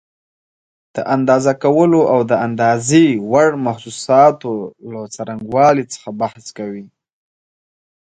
د اندازه کولو او د اندازې وړ محسوساتو له څرنګوالي څخه بحث کوي.